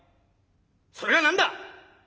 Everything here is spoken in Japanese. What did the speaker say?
それが何だ！